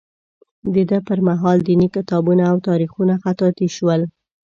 د ده پر مهال دیني کتابونه او تاریخونه خطاطي شول.